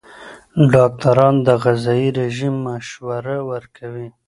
ډاکټران د غذايي رژیم مشوره ورکوي.